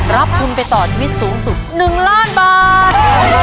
รับทุนไปต่อชีวิตสูงสุด๑ล้านบาท